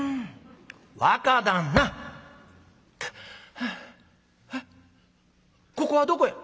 「ハァここはどこや？」。